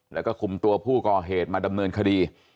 แล้วก็คุมตัวผู้ก่อเหตุมาดำเนินคดี